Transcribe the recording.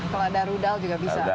kalau ada rudal juga bisa